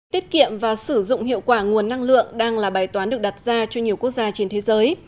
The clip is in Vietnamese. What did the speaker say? tiết kiệm và sử dụng hiệu quả nguồn năng lượng đang là bài toán được đặt ra cho nhiều quốc gia trên thế giới